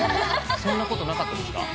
そんなことなかったですか？